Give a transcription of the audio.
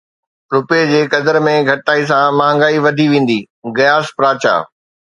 رپئي جي قدر ۾ گهٽتائي سان مهانگائي وڌي ويندي، غياث پراچا